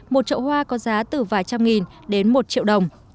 một trậu hoa có giá từ vài trăm nghìn đến một triệu đồng